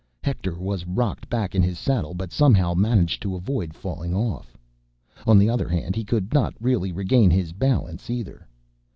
Hector was rocked back in his saddle, but somehow managed to avoid falling off. On the other hand, he could not really regain his balance, either.